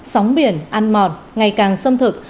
sóng biển ăn mòn ngày càng xâm thực